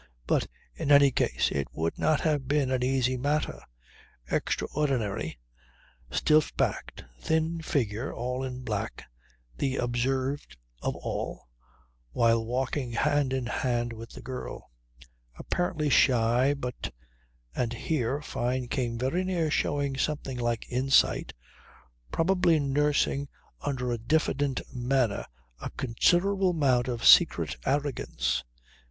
But in any case it would not have been an easy matter. Extraordinary, stiff backed, thin figure all in black, the observed of all, while walking hand in hand with the girl; apparently shy, but and here Fyne came very near showing something like insight probably nursing under a diffident manner a considerable amount of secret arrogance.